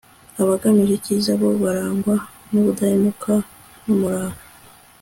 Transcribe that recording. abagamije icyiza bo barangwa n'ubudahemuka n'umurava